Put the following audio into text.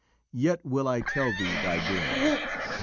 Yet will I tell thee thy doom.